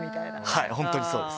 はい、本当にそうです。